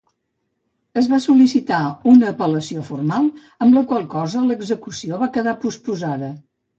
Es va sol·licitar una apel·lació formal, amb la qual cosa l'execució va quedar postposada.